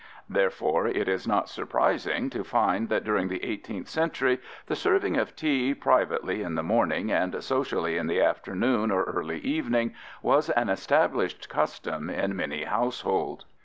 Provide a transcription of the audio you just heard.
" Therefore, it is not surprising to find that during the 18th century the serving of tea privately in the morning and socially in the afternoon or early evening was an established custom in many households.